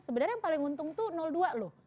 sebenarnya yang paling untung tuh dua loh